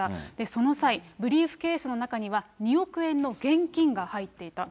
その際、ブリーフケースの中には２億円の現金が入っていた。